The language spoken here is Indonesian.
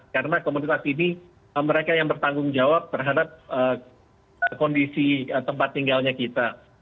karena komunitas ini mereka yang bertanggung jawab terhadap kondisi tempat tinggalnya kita